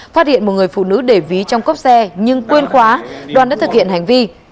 phát hiện một người phụ nữ để ví trong cốc xe nhưng quên khóa đoàn đã thực hiện hành vi